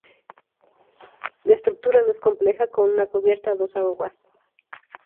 La estructura no es compleja, con una cubierta a dos aguas.